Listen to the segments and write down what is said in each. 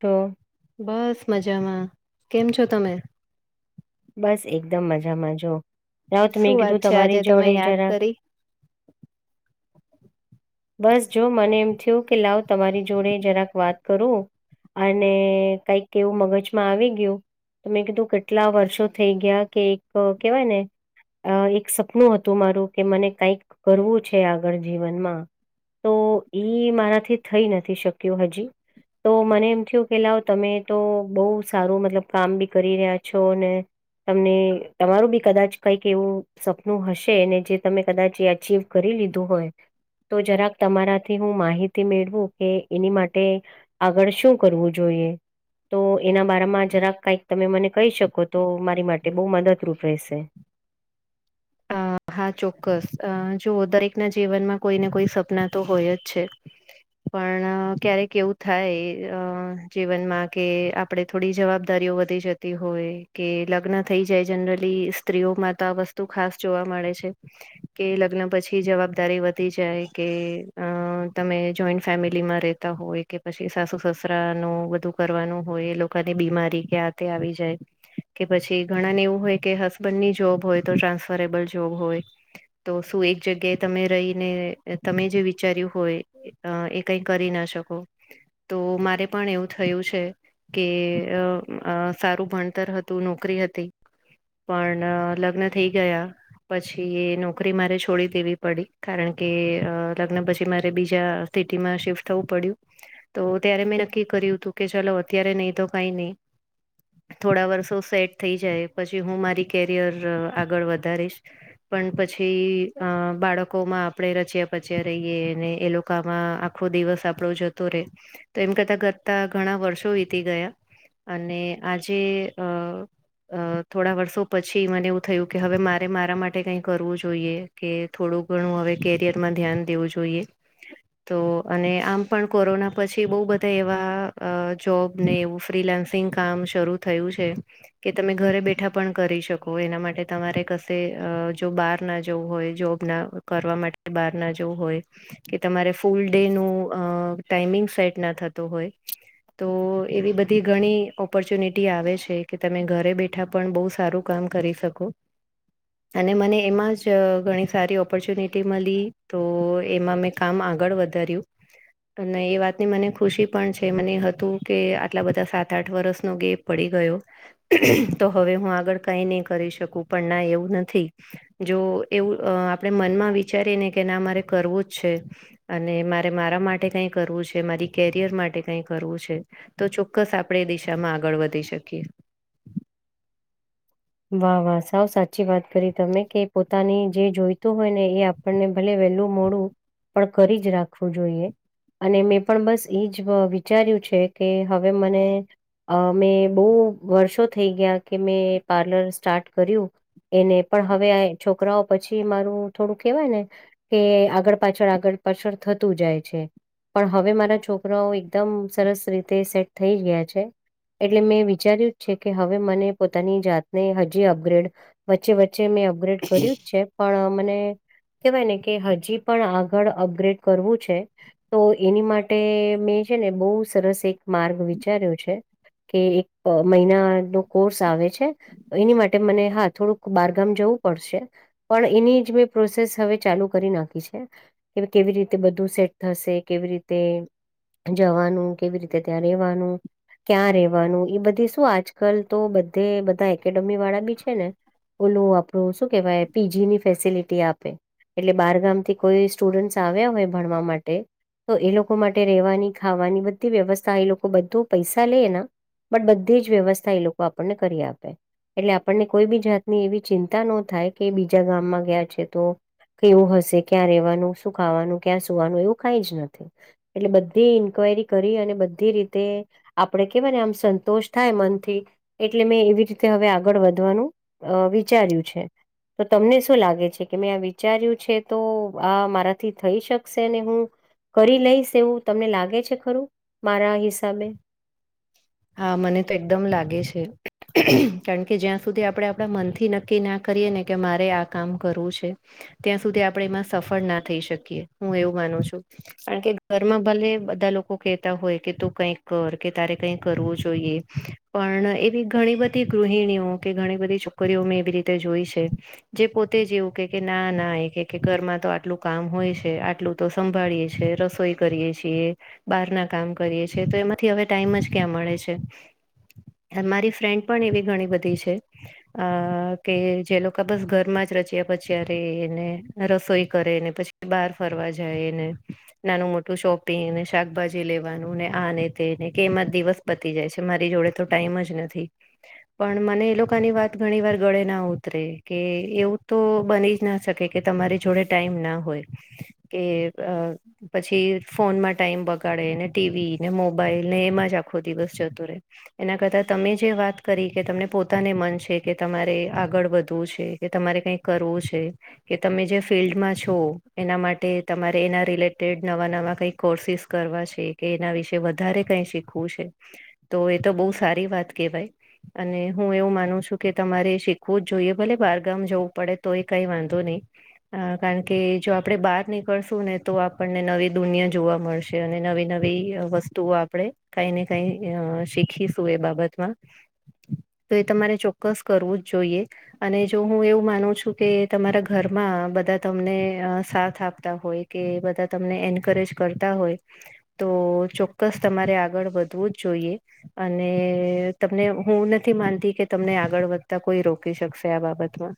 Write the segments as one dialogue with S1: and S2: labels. S1: તો.
S2: બસ મજામાં કેમ છો તમે?
S1: બસ એકદમ મજામાં જો લાવ તો
S2: શું
S1: મેં
S2: વાત
S1: કીધું
S2: છે આજે
S1: તમારી
S2: તમે
S1: જોડે
S2: યાદ
S1: જરાક.
S2: કરી
S1: બસ જો મને એમ થયું કે લાવ તમારી જોડે જરાક વાત કરું. અને કઈક એવું મગજમાં આવી ગયું તમે કીધું કેટલા વર્ષો થઈ ગયા કે એક કેવાય ને અ એક સપનું હતું મારું કે મને કંઈક કરવું છે આગળ જીવનમાં તો ઈ મારાથી થઈ નથી શક્યો હજી. તો મને એમ થયું કે લાવ તમે તો બહુ સારું મતલબ કામ બી કરી રહ્યા છો ને તમને તમારું બી કદાચ કઈક એવું સપનું હશે ને જે તમે કદાચ એ અચીવ કરી લીધું હોય. તો જરાક તમારાથી હું માહિતી મેળવું કે એની માટે આગળ શું કરવું જોઈએ. તો એના બારામાં જરાક કઈક તમે મને કહી શકો તો મારી માટે બહુ મદદરૂપ રહેશે.
S2: અ હા ચોક્કસ અ જોઓ દરેક ના જીવનમાં કોઈને કોઈ સપના તો હોય જ છે. પણ ક્યારેક એવું થાય અ જીવનમાં કે આપે થોડી જવાબદારીઓ વધી જતી હોય કે લગ્ન થઈ જાય જનરલી સ્ત્રીઓમાંતા વસ્ તું ખાસ જોવા મળે છે કે લગ્ન પછી જવાબદારી વધી જાય કે અ તમે જોઈન્ટ ફેમિલી માં રે રેતા હોય કે પછી સાસુ સસરા નું બધું કરવાનું હોય એ લોકોની બીમારી કે્યાં તે આવી જાય. કે પછી ઘણા ને એવું હોય કે હસબેન્ડની જોબ હોય તો ટ્રાન્સફરેબલ જોબ હોય. તો શું એક જગ્યાએ તમે રહીને તમે જે વિચાર્યું હોય અ એ કઈ કરી ના શકો તો મારે પણ એવું થયું છે કે સારું ભણતર હતું નોકરી હતી પણ લગ્ન થઈ ગયા પછી એ નોકરી મારે છોડી દેવી પડી કારણ કે લગ્ન પછી મારે બીજા સિટીમાં શિફ્ટ થવું પડ્યું તો ત્યારે મેં નક્કી કર્યું હતું કે ચાલો અત્યારે નહીં તો કઈ નહીિ થોડા વર્ષો સેટ થઈ જાય પછી હું મારી કેરિયર આગળ વધારીશ પણ પછી અ બાળકો માં આપણેે રચ્યા પચ્યા રહીએ ને એ લોકો માં આખો દિવસ આપડો જતો રે તો એમ કરતા કરતા ઘણા વર્ષો વીતી ગયા અને આજે અ અ થોડા વર્ષો પછી મને એવું થયું કે હવે મા રે મારા માટે કઈ કરવું જોઈએ કે થોડું ઘણું હવે કેરિયરમાં ધ્યાન દેવું જોઈએ તો અને આમ પણ કોરોના પછી બહ બધા એવા જોબ ને એવું ફ્રીલાન્સિંગ કામ શરૂ થયું છે કે તમે ઘરે બેઠા પણ કરી શકો એના માટે તમારે ક તે જો બહાર ના જવું હોય જોબ ના કરવા માટે બહાર ના જવું હોય કે તમારે ફૂલ ડે નું અ ટાઈમિંગ સેટ ના થતો હોય તો એવી બધી ઘણી ઓપોર્ચ્યુનિટી આવે છે કે તમે ઘરે બેઠા પણ બહુ સારું કામ કરી શકું અને મને એમાં જ ઘણી સારી ઓપોર્ચ્યુનિટી મળી તો એમાં મેં કામ આગળ વધાર્યું તો નહી એ વાતની મને ખુશી પણ છે મને હતું કે આટલા બધા સાત આઠ વર્ષનો ગેફ પડી ગયો તો હવે હું આગળ કઈ નહી કરી શકું પણ ના એવું નથી જો એવું આપણે મનમાં વિચારીએ ને કે ના મારે કરવું જ છે અને મારે મારા માટે કઈ કરવું છે મારી કેરિયર માટે કઈ કરવું છે તો ચોક્કસ આપણે એ દિશામાં આગળ વધી શકીએ
S1: વાહ વાહ સાવ સાચી વાત કરી તમે કે પોતાની જે જોઈતું હોય ને એ આપણને ભલે વેલું મોડું પણ કરી જ રાખવું જોઈએ અને મેં પણ બસ એજ વિચાર્યું છે કે હવે મને અ મેં બહુ વર્ષો થઈ ગયા કે મેં પાર્લર સ્ટાર્ટ કર્યું એને પણ હવે આ છોકરાઓ પછી મારું થોડું કેહેવાય ને કે આગળ પાછળ આગળ પાછળ થતું જાય છે પણ હવે મારા છોકરાઓ એકદમ સરસ રીતે સેટ થઈ ગયા છે એટલે મેં વિચાર્યું જ છે કે હવે મને પોતાની જાત ને હજી અપગ્રેડ વચ્ચે વચ્ચે મેં અપગ્રેડ કર્યું જ છે પણ મને કેવાય ને કે હજી પણ આગળ અપગ્રેડ કરવું છે તો એની માટે મેં છે ને બહુ સરસ એક માર્ગ વિચાર્યો છે કે એક મહિના નો કોર્સ આવે છે એની માટે મને હા થોડુંક બારગામ જવું પડશે પણ એની જ મેં પ્રોસેસ હવે ચાલુ કરી નાખી છે કે કેવી રીતે બધું સેટ થશે કેવી રીતે જવાનું કેવી રીતે ત્યાં રહેવાનું ક્યાં રેવાનું બધી શું આજકાલ તો બધે બધા એકેડેમી વાળા બી છે, ને ઓલું આપણું શું કેવાય પીજીની ફેસિલિટી આપે. એટલે બારગામ થી કોઈ સ્ટુડન્ટસ આવ્યા હોય ભણવા માટે તો એ લોકો માટે રહેેવાની, ખાવાની બધી વ્યવસ્થા એ લોકો બધું પૈસા લે એના બટ બધી જ વ્યવસ્થા એ લોકો આપણને કરી આપે, એટલે આપણને કોઈ બી જાતની એવી ચિંતા નો થાય કે બીજા ગામમાં ગયા છે તો, કેવું હશે ક્યાં રવાનું શું ખાવાનું ક્યાં સુવાનું એવું કઈ જ નથી એટલે બધી ઇન્ક્વાયરી કરી અને બધી રીતે આપડે કેવાય ને આમ સંતોષ થાય મનથી એટલે મેં એવી રીતે તે હવે આગળ વધવાનું અ વિચાર્યું છે. તો તમને શું લાગે છે કે મેં આ વિચાર્યું છે, તો આ મારાથી થઈ શકશે ને હું કરી લઈશ એવું તમને લાગે છે ખરું? મારા હિસાબે?
S2: હા, મને તો એકદમ લાગે છે. કારણ કે જ્યાં સુધી આપણે આપડા મનથી નક્કી ના કરીએ ને કે મારે આ કામ કરવું છે. ત્યાં સુધી આપણે એમાં સફળ ના થઈ શકીએ. હું એવું માનું છું. કારણ કે ઘરમાં ભલે બધા લોકો કેહેતા હોય કે તું કાંઈક કર કે તારે કઈ કરવું જોઈએ, પણ એવી ઘણી બધી ગૃહિણીઓ કે ઘણી બધી છોક કરીઓ મેં એવી રીતે જોઈ છે. જે પોતે જ એવું કે કે ના ના એ કે કે ઘરમાં તો આટલું કામ હોય છે, આટલું તો સંભાળીએ છે, રસોઈ કરીએ છીએ, બહારના કામ કરીએ છીએ તો એમાંથી હવે ટાઈમ જ ક્યાં મળે છે. અને મારી ફ્રેન્ડ પણ એવી ઘણી બધી છે. અ કે જે લોકા બસ ઘરમાં જ રચ્યા પચ્યા રે એને રસોઈ કરે ને પછ બાર ફરવા જાયને નાનું મોટું શોપિંગને, શાકભાજી લેવાનું ને આને તેને કે એમાં જ દિવસ પતી જાય છે, મારી જોડે તો ટાઈમ જ નથી. પણ મને એ લોકાની વાત ઘણી વાર ગળે ના ઉતરે કે એવું તો બની જ ના શકે કે કે તમારી જોડે ટાઈમ ના હોય કે અ પછી ફોનમાં ટાઈમ બગાડે ને ટીવીને, મોબાઈલને, એમાં જ આખો દિવસ જતો રે. એના કરતા તમે જે વાત કરી કે તમને પોતાને મન છે કે તમારે આગળ વધવું છે. કે તમારે કંઈક કરવું છે. કે તમે જે ફિલ્ડમાં છો એના માટે તમારે એના રિલેટેડ નવા નવા કંઈક કોર્સિસ કરવા છે કે એના વિશે વધારે કઈ શીખવું છે. તો એ તો બહુ સારી વાત કેહેવાય. અને હું એવું માનું છું કે તમારે શીખવું જ જોઈએ. ભલે બારગામ જવું પડે તો એ કઈ વાંધો નહી. અ કારણ કે જો આપડે બહાર નીકળશું ને તો આપણને નવી દુનિયા જોવા મળ છે અને નવી નવી વસ્તુઓ આપ આપણે કાઈ ને કઈ અ શીખીશું એ બાબતમાં. તો એ તમારે ચોક્કસ કરવું જ જોઈએ. અને જો હું એવું માનું છું કે તમારા ઘરમાં બધા તમને સાથ આપતા હોય. કે બધા તમને એન્કરેજ કરતા હોય તો ચોક્કસ તમારે આગળ વધવું જ જોઈએ. અને તમને હું નથી માનતી કે તમને આગળ વધતા કોઈ રોકી શકશે આ બાબતમાં.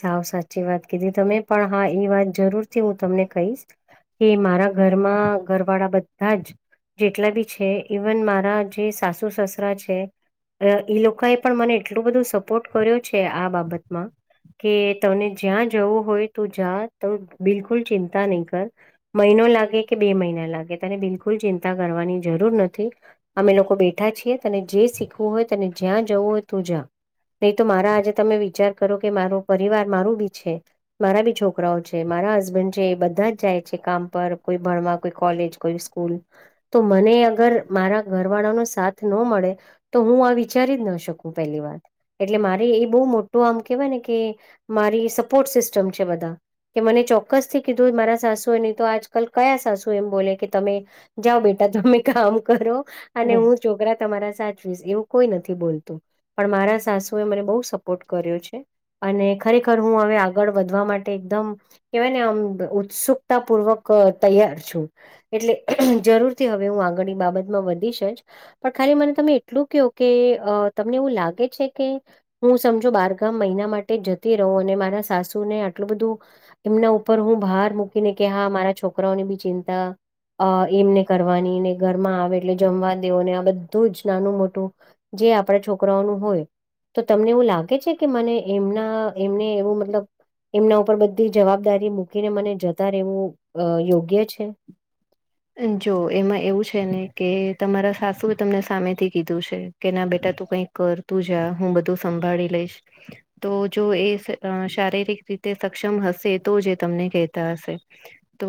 S1: સાવ સાચી વાત કીધી તમે પણ હા એ વાત જરૂર થી હું તમને કહીશ કે મારા ઘરમાં ઘરવાળા બધાં જ જેટલા બી છે ઇવન મારા જે સાસુ સસરા છે. અ ઈ લોકાએ પણ મને એટલું બધું સપોર્ટ કર્યો છે આ બાબતમાં. કે તમને જ્યાં જવું હોય તું જા તમ બિલકુલ ચિંતા નહીં કર મહિનો લાગે કે બે મહિના લાગે તને બિલકુલ ચિંતા કરવાની જરૂર નથી. અમે લોકો બેઠા છીએ તને જે શીખવું હોય, તને જ્યાં જવું હોય તું જા. નહી તો મારા આજે તમે વિચાર કરો કે મારો પરિવાર મારું બી છે. મારા બી છોકરાઓ છે, મારા હસબન્ડ છે, એ બધા જ જાય છે કામ પર કોઈ ભણવા, કોઈ કોલેજ, કોઈ હમ્મ તો મને અગર મારા ઘર વાળાનો સાથ ન મળે તો હું આ વિચારી જ ન શકું પેલી વાત એટલે મારે એ બહુ મોટું આમ કેવાય ને કે મારી સપોર્ટ સિસ્ટમ છે બધા. કે મને ચોક્કસથી કીધું એ મારા સાસુએ નહીં તો આજકલ કયા સાસુ એમ બોલે કે તમે જાઓ બેટા તમે કામ કરો અને હું છોકરા તમારા સાચવીશ એવું કોઈ નથી બોલતું. પણ મારા સાસુએ મને બહુ સપોર્ટ કર્યો છે. અને ખરેખર હું હવે આગળ વધવા માટે એકદમ કેવાય ને આમ ઉત્સુકતા પૂર્વક તૈયાર છું. એટલે જરૂર થી હવે હું આગળની બાબતમાં વધીશ જ. પણ ખાલી મને તમે એટલું કેહો કે તમને એવું લાગે છે કે હું સમજો બારગામ મહિના માટે જતી રહું અને મારા સાસુ ને આટલું બધું એમના ઉપર હું ભાર મૂકીને કે હા મારા છોકરાઓની બી ચિંતા અ એમને કરવાની ને ઘરમાં આવે એટલે જમવા દેવુ ને આ બધું જ નાનું મોટું જે આપડે છોકરાઓનું હોય તો તમને એવું લાગે છે કે મને એમના એમને એવું મતલબ એમના ઉપર બધી જવાબદારી મૂકીને મને જતા રહેવું અ યોગ્ય છે
S2: જો એમાં એવું છે ને કે તમારા સાસુ એ તમને સામે થી કીધું છે કે ના બેટા તું કઈક કર તું જા હું બધું સંભાળી લઈશ તો જો એ શ શારીરિક રીતે સક્ષમ હશે તો જ એ તમને કહેતા હશે તો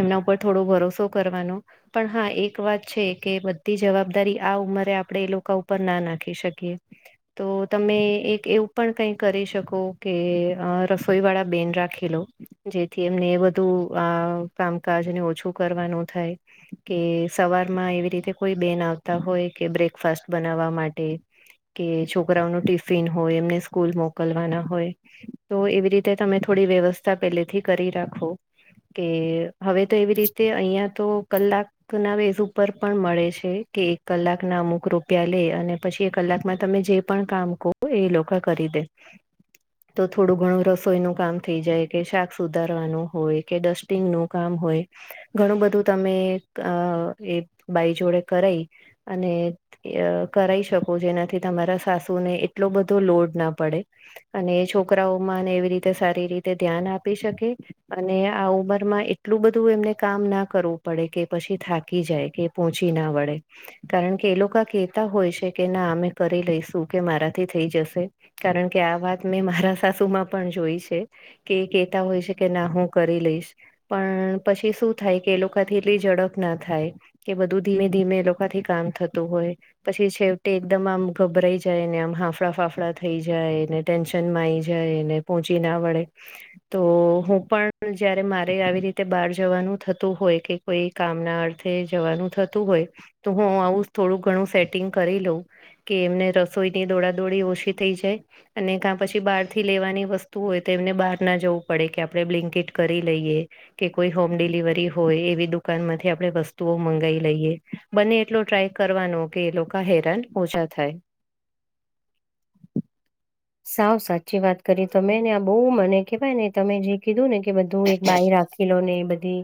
S2: એમના ઉપર થોડો ભરોસો કરવાનો પણ હા એક વાત છે કે બધી જવાબદારી આ ઉંમરે આપડે એ લોકો ઉપર ના નાખી શકીએ તો તમે એક એવું પણ કંઈ કરી શકો કે અ રસોઈ વાળા બેન રાખી લો જેથી એમને એ બધું આ કામકાજને ઓછું કરવાનું થાય કે સવારમાં એવી રીતે કોઈ બેન આવતા હોય કે બ્રેકફાસ્ટ બનાવવા માટે કે છોકરાઓનુ ટિફિન હોય એમને સ્કૂલ મોકલવાના હોય તો એવી રીતે તમે થોડી વ્યવસ્થા પેલેથી કરી રાખો કે હવે તો એવી રીતે અઈયાં તો કલાક કના વેઝ ઉપર પણ મળે છે કે એક કલાકના અમુક રૂપિયા લે અને પછી એ કલાકમાં તમે જે પણ કામ કો એ લોકા કરી દે તો થોડું ઘણું રસોઈનું કામ થઈ જાય કે શાક સુધારવાનું હોય કે ડસ્ટિંગનું કામ હોય ઘણું બધું તમે એક અ એક બાઈ જોડે કરઈ અને અ ય કરઈ શકો જેનાથી તમારા સાસુને એટલો બધો લોડ ના પડે અને છોકરાઓમાં ને એવી રીતે સારી રીતે ધ્યાન આપી શકે અને આ ઉમરમાં એટલું બધું એમને કામ ના કરવુ પડે કે પછી થાકી જાય કે પહોંચી ના વડે કારણ કે એ લોકા કેતા હોય છે કે ના અમે કરી લઈશું કે મારાથી થઈ જશે કારણકે આ વાત મેં મારા સાસુમાં પણ જોઈ છે. કે કેતા હોય છે કે ના હું કરી લઈશ પણ પછી શું થાય કે એ લોક કોથી એટલી ઝડપના થાય કે બધું ધીમે ધીમે એ લોકોથી કામ થતું હોય પછી છેવટે એકદમ આમ ગભરાઈ જાય ને આમ હાફડા ફાફડા થઈ જાય ને ટેન્શનમાં આઈ જાય ને પહોંચી ના વડે તો હું પણ જયારે મારે આવી રીતે બહાર જવાનું થતું હોય કે કોઈ કામના અર્થે જવાનું થતું હોય તો હું આવું થોડું ઘણું સેટિંગ કરી લઉં. કે એમને રસોઈની દોડા દોડી ઓછી થઈ જાય. અને કા પછી બહારથી લેવાની વસ્તુ હોય તો એમને બહારના જવું પડે કે આપણે બ્લિન્કેટ કરી લઈએ. કે કોઈ હોમ ડિલીવરી હોય એ વી દુકાન માંથી આપણે વસ્તુઓ મંગાવી લઈએ. બને એટલો ટ્રાય કરવાનો કે એ લોકો હેરાન ઓછા થાય.
S1: સાવ સાચી વાત કરી તમે ને આ બહુ મને કેવાય ને તમે જે કીધું ને કે બધું એક બાઈ રાખી લો ને બધી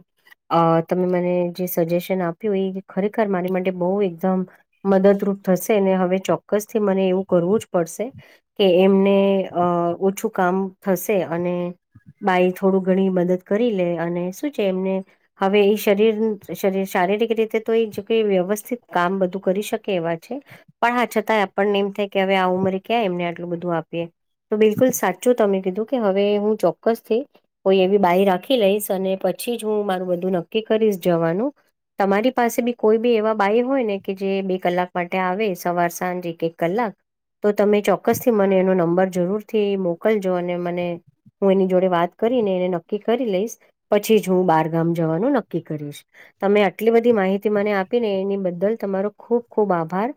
S1: અહ તમે મને જે સજેશન આપ્યું એ ખરેખર મારી માટે બો એકદમ મદદરૂપ થશે ને હવે ચોક્કસથી મને એવું કરવું જ પડશે. કે એમને અહ ઓછું કામ થશે અને બાઈ થોડું ઘણી મદદ કરી લે અને શું છે એમને હવે એ શરીર શરીર શારીરિક રીતે તો એ જોકે વ્યવસ્થિત કામ બધું કરી શકે એવા છે. પણ હા છતાંય આપણને એમ થાય કે હવે આ ઉમરી ક્યા એમને આટલું બધું આપીએ તો બિલકુલ સાચું તમે કીધું કે હવે હું ચોક્કસ થઈ કોઈ એવી બાઈ રાખી લઈશ અને પછી જ હું મારું બધું નક્કી કરીશ જવાનું તમારી પાસે બી કોઈ બી એવા બાાઈ હોય ને કે જે બે કલાક માટે આવે સવાર સાંજ એક એક કલાક તો તમે ચોક્કસથી મને એનો નંબર જરૂરથી મોકલજો અને મને હું એની જોડે વાત કરીને એને નક્કી કરી લઈશ પછી જ હું બારગામ જવાનું નક્કી કરીશ. તમે આટલી બધી માહિતી મને આપી ને એની બદલ તમારો ખુબ ખુબ આભાર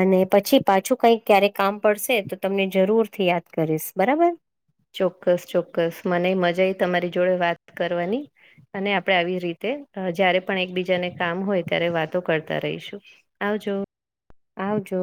S1: અને પછી પાછું કઈ ક્યારે કામ પડશે. તો તમને જરૂર થી યાદ કરીશ બરાબર
S2: ચોક્કસ ચોક્કસ મને મજા આઈ તમારી જોડે વાત કરવાની અને આપણે આવી રીતે જયારે પણ એકબીજાને કામ હોય ત્યારે વાતો કરતા રહીશું. આવજો.
S1: આવજો